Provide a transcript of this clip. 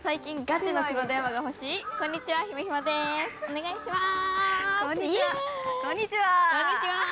お願いします。